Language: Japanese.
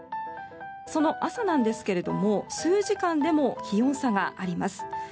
その朝なんですが数時間でも気温差があります。